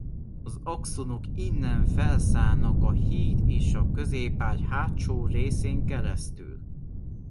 Az axonok innen felszállnak a híd és a középagy hátsó részén keresztül.